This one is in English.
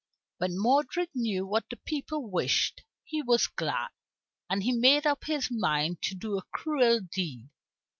When Modred knew what the people wished, he was glad, and he made up his mind to do a cruel deed.